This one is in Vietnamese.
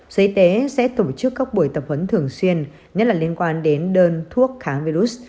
giới tế sẽ tổ chức các buổi tập huấn thường xuyên nhất là liên quan đến đơn thuốc kháng virus